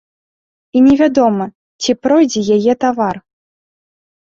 І невядома, ці пройдзе яе тавар.